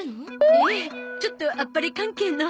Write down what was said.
ええちょっとアッパレ関係の。